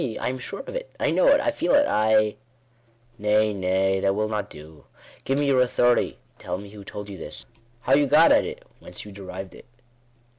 — I am sure of it; I know it; I feel it; I " "Nay, nay, that will not do. Give me your authority. Tell me who told you this — how you got at it — whence you derived it."